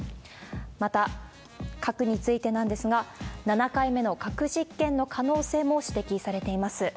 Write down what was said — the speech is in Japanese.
また、核についてなんですが、７回目の核実験の可能性も指摘されています。